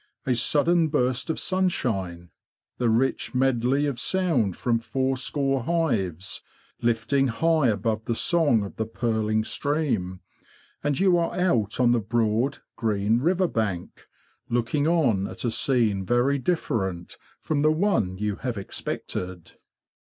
A sudden burst of sunshine; the rich medley of sound from fourscore hives lifting high above the song of the purling stream; and you are out on the broad, green river bank, looking on at a scene very different from the one you have expected.